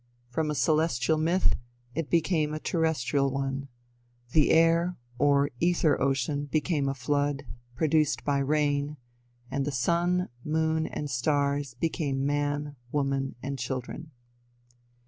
From a celestial myth, it became a terrestrial one; the air, or ether ocean became a flood, produced by rain, and the sun moon and stars became man, woman and children.